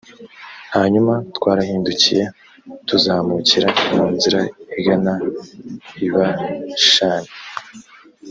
hanyuma twarahindukiye, tuzamukira mu nzira igana i bashani